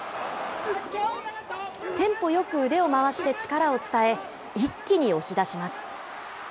テンポよく腕を回して力を伝え、一気に押し出します。